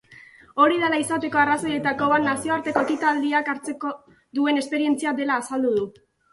Hori hala izateko arrazoietako bat nazioarteko ekitaldiak hartzeko duen esperientzia dela azaldu du.